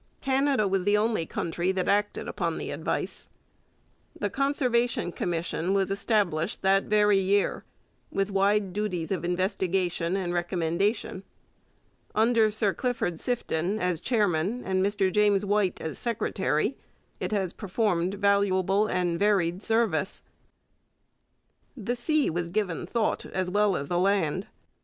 Canada was the only country that acted upon the advice. The Conservation Commission was established that very year, with wide duties of investigation and recommendation. Under Sir Clifford Sifton as chairman and Mr James White as secretary it has performed valuable and varied service. The sea was given thought as well as the land.